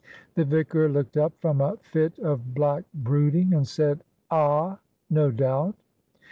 The vicar looked up from a fit of black brooding, and said "Ah! no doubt."